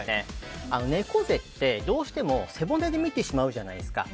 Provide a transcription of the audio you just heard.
猫背ってどうしても背骨で見てしまうじゃないですか。